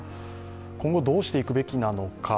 今後どうしていくべきなのか。